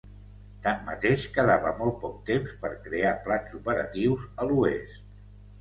Tanmateix, quedava molt poc temps per crear plans operatius a l'oest.